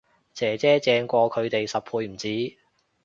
姐姐正過佢哋十倍唔止